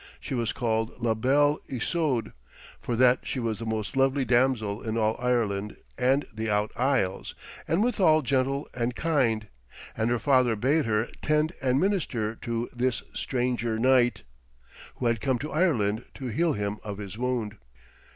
She was called La Belle Isoude, for that she was the most lovely damsel in all Ireland and the Out Isles, and withal gentle and kind; and her father bade her tend and minister to this stranger knight, who had come to Ireland to heal him of his wound.